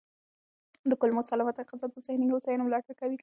د کولمو سالمه غذا د ذهني هوساینې ملاتړ کوي.